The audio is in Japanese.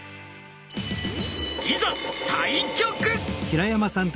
いざ対局！